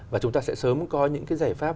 và chúng ta sẽ sớm có những cái giải pháp